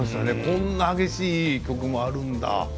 こんな激しい曲もあるんだ。